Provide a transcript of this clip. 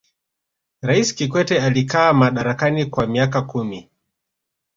raisi kikwete alikaa madarakani kwa miaka kumi